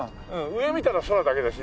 上見たら空だけだしね。